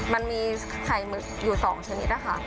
มันมีไข่หมึกอยู่๒ชนิดนะคะ